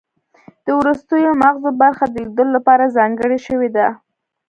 د وروستیو مغزو برخه د لیدلو لپاره ځانګړې شوې ده